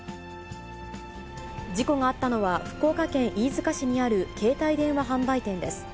事故があったのは、福岡県飯塚市にある携帯電話販売店です。